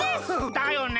だよね。